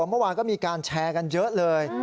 เมื่อวานก็มีการแชร์กันเยอะเลย